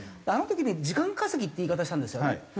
あの時に「時間稼ぎ」って言い方をしたんですよね。